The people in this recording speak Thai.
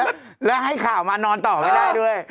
โอ้และให้ข่าวมานอนต่อกันได้ด้วย